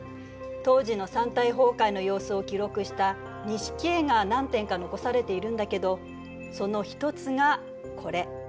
当時の山体崩壊の様子を記録した錦絵が何点か残されているんだけどその一つがこれ。